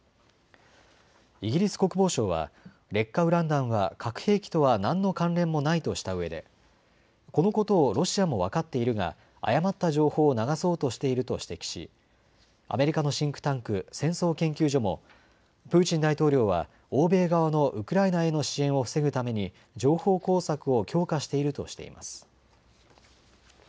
イギリス国防省は劣化ウラン弾は核兵器とは何の関連もないとしたうえでこのことをロシアも分かっているが誤った情報を流そうとしていると指摘し、アメリカのシンクタンク、戦争研究所もプーチン大統領は欧米側のウクライナへの支援を防ぐために情報工作を強化しているとしています。